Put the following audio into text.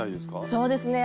そうですね